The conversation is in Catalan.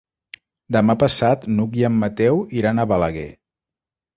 Demà passat n'Hug i en Mateu iran a Balaguer.